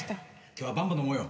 今日はバンバン飲もうよ！